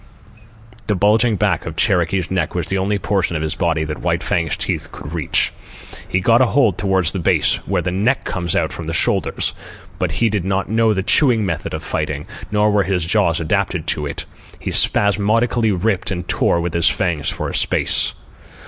The bulging back of Cherokee's neck was the only portion of his body that White Fang's teeth could reach. He got hold toward the base where the neck comes out from the shoulders; but he did not know the chewing method of fighting, nor were his jaws adapted to it. He spasmodically ripped and tore with his fangs for a space.